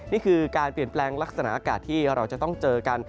นี่คือการเปลี่ยนแปลงลักษณะอากาศที่เราจะต้องเจอกัน